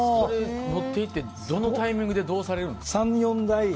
持って行ってどのタイミングでどうされるんですか？